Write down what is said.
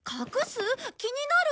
気になる！